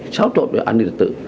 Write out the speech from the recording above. xáo trộn về an ninh trật tựa